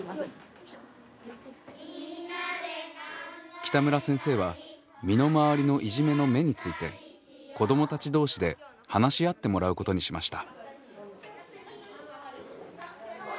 北村先生は身の回りのいじめの芽について子どもたち同士で話し合ってもらうことにしました。